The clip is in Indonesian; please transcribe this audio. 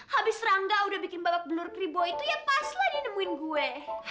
habis rangga udah bikin babak blur kribo itu ya pas lah dia nemuin gue